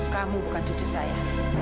kamu bukan cucu saya